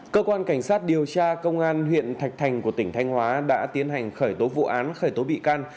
cơ quan cảnh sát điều tra công an huyện thạch thành của tỉnh thanh hóa đã tiến hành khởi tố vụ án khởi tố bị can